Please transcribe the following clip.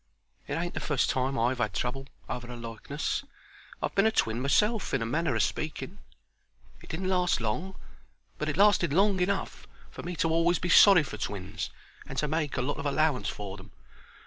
It ain't the fust time I've 'ad trouble over a likeness. I've been a twin myself in a manner o' speaking. It didn't last long, but it lasted long enough for me to always be sorry for twins, and to make a lot of allowance for them.